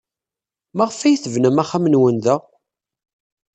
Maɣef ay tebnam axxam-nwen da?